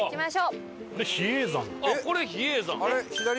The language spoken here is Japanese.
あっこれ比叡山？